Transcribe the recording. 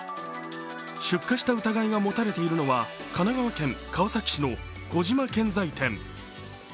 出荷した疑いが持たれているのは神奈川県川崎市の小島建材店。